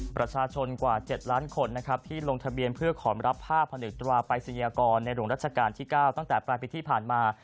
ประชาชนกว่า๗ล้านคนนะครับที่ลงทะเบียนเพื่อขอรับภาพพนึกตราปรายศนียากรในหลวงรัชกาลที่๙ตั้งแต่ปลายปีที่ผ่านมา